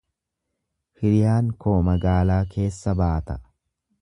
Hiriyaan koo magaalaa keessaa baata.